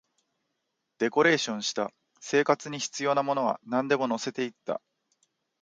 デコレーションした、生活に必要なものはなんでも乗せていった